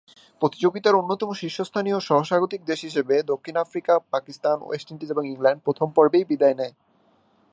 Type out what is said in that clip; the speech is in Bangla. প্রতিযোগিতার অন্যতম শীর্ষস্থানীয় ও সহ-স্বাগতিক দেশ হিসেবে দক্ষিণ আফ্রিকা, পাকিস্তান, ওয়েস্ট ইন্ডিজ এবং ইংল্যান্ড প্রথম পর্বেই বিদায় নেয়।